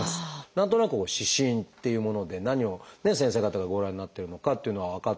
何となく四診っていうもので何を先生方がご覧になっているのかというのは分かったような気がしますが。